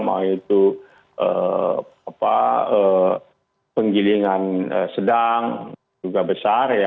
mau itu penggilingan sedang juga besar ya